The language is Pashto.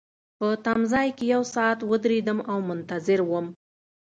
په تمځای کي یو ساعت ودریدم او منتظر وم.